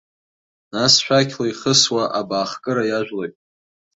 Нас шәақьла ихысуа абаахкыра иажәлеит.